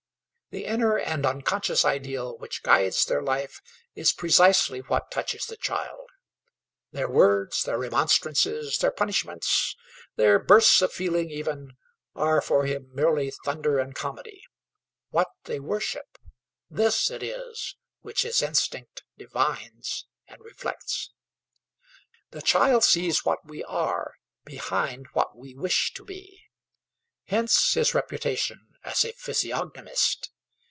The inner and unconscious ideal which guides their life is precisely what touches the child; their words, their remonstrances, their punishments, their bursts of feeling even, are for him merely thunder and comedy; what they worship this it is which his instinct divines and reflects. The child sees what we are, behind what we wish to be. Hence his reputation as a physiognomist.